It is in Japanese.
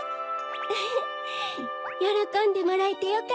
ウフっよろこんでもらえてよかったわ。